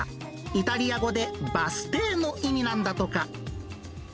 イタリア語でバス停の意味なんだとか。